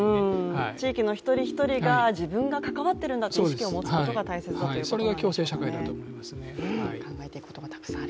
地域の１人１人が自分が関わっているんだという意識を持つことが大切だということですよね。